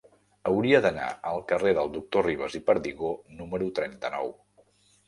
Hauria d'anar al carrer del Doctor Ribas i Perdigó número trenta-nou.